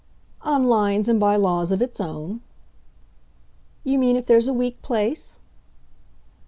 "On lines and by laws of its own." "You mean if there's a weak place?"